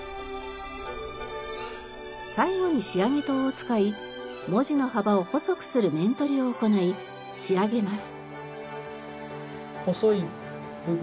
最後に仕上げ刀を使い文字の幅を細くする面取りを行い仕上げます。